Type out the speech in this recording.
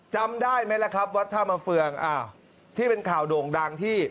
จำได้ไหมล่ะครับวัดธรรมเฟืองอ้าวที่เป็นข่าวโด่งดังที่